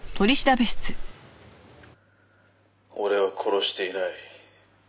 「俺は殺していない」